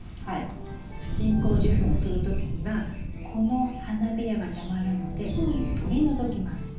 人工授粉をする時にはこの花びらが邪魔なので取り除きます。